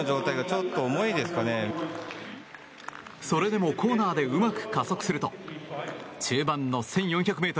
それでもコーナーでうまく加速すると中盤の１４００ｍ。